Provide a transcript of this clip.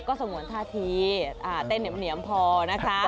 ก็สงวนท่าทีเต้นเหนียมพอนะคะ